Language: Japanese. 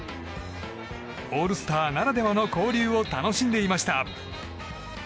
オールスターならではの交流を楽しんでいました。